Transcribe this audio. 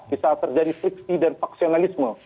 bisa terjadi friksi dan faksionalisme